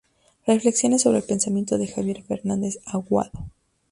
Reflexiones sobre el pensamiento de Javier Fernández Aguado".